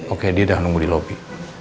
oke dia udah nunggu di lobi